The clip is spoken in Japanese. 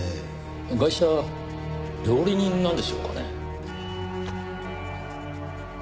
ガイシャ料理人なんでしょうかね？